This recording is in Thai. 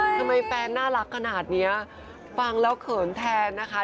แฟนน่ารักขนาดนี้ฟังแล้วเขินแทนนะคะ